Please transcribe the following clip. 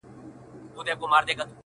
ټولو په لپو کي سندرې، دې ټپه راوړې_